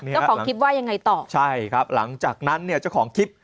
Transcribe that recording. เจ้าของคลิปว่ายังไงต่อใช่ครับหลังจากนั้นเนี่ยเจ้าของคลิป